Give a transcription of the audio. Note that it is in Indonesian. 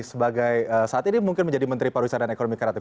sebagai saat ini mungkin menjadi menteri pariwisata dan ekonomi kreatif